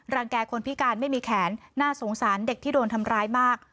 แก่คนพิการไม่มีแขนน่าสงสารเด็กที่โดนทำร้ายมาก